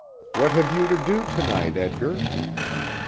"What have you to do to night, Edgar?"